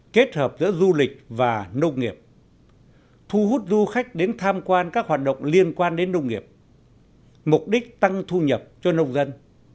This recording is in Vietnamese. kết hợp giữa du lịch và nông nghiệp thu hút du khách đến tham quan các hoạt động liên quan đến nông nghiệp mục đích tăng thu nhập cho nông dân